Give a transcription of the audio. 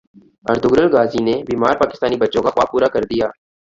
Ertugrul Ghazi نے بیمار پاکستانی بچوں کا خواب پورا کردیا